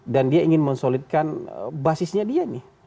dan dia ingin mensolidkan basisnya dia nih